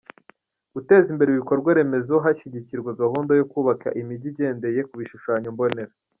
Guteza imbere ibikorwa remezo hashyigikirwa gahunda yo kubaka imijyi igendeye ku bishushanyo mbonera.